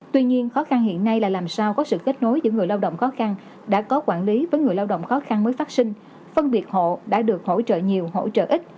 tuy nhiên khó khăn hiện nay là làm sao có sự kết nối giữa người lao động khó khăn đã có quản lý với người lao động khó khăn mới phát sinh phân biệt hộ đã được hỗ trợ nhiều hỗ trợ ít